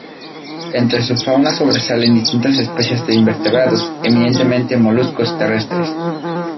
Entre su fauna sobresalen distintas especies de invertebrados, eminentemente moluscos terrestres.